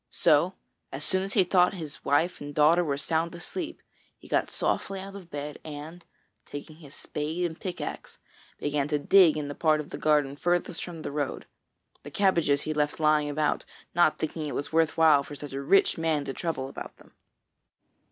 So as soon as he thought his wife and daughter were sound asleep, he got softly out of bed and, taking his spade and a pickaxe, began to dig in the part of the garden furthest from the road. The cabbages he left lying about, not thinking it was worth while for such a rich man to trouble about them.